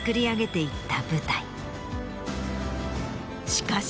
しかし。